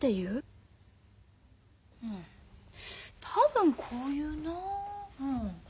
うん多分こう言うなうん。